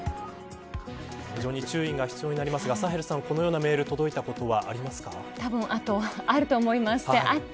非常に注意が必要になりますがサヘルさんはこのようなメールたぶんあると思います。